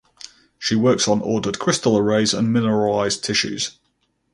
She works on ordered crystal arrays and mineralised tissues.